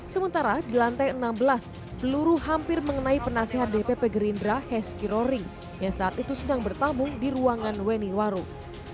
sementara di lantai enam belas peluru hampir mengenai penasehat dpp gerindra heski roring yang saat itu sedang bertamu di ruangan weni warung